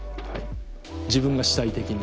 自分が主体的に。